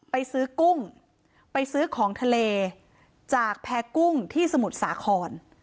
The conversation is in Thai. ไปซื้อกุ้งไปซื้อของทะเลจากแพ้กุ้งที่สมุทรสาคร